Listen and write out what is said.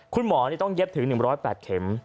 คุณหมอต้องเย็บถึง๑๐๘เข็ม